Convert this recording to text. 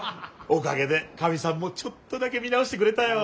おかげでかみさんもちょっとだけ見直してくれたよ。